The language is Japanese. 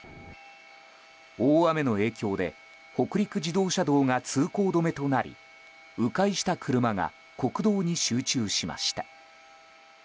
大雨の影響で北陸自動車道が通行止めとなり迂回した車が国道に集中しました。